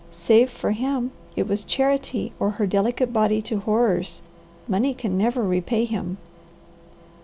Save for him, it was charity or her delicate body to horrors. Money never can repay him."